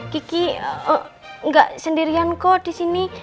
kiki gak sendirian kok disini